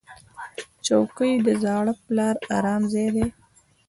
چوکۍ د زاړه پلار ارام ځای دی.